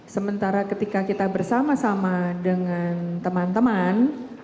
sementara ketika kita bersama sama dengan teman teman